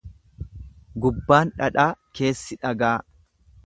Gubbaan dhadhaa keessi dhagaa.